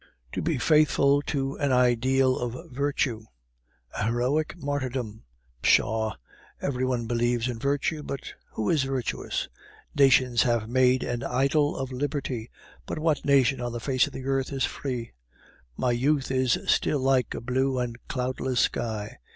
"To be faithful to an ideal of virtue! A heroic martyrdom! Pshaw! every one believes in virtue, but who is virtuous? Nations have made an idol of Liberty, but what nation on the face of the earth is free? My youth is still like a blue and cloudless sky.